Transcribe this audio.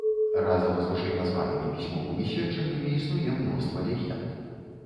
Разам з вышэйназванымі пісьмовымі сведчаннямі існуе мноства легенд.